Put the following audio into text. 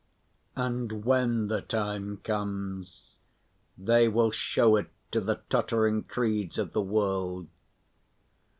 And when the time comes they will show it to the tottering creeds of the world.